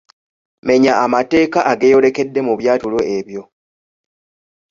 Menya amateeka ageeyolekedde mu byatulo ebyo.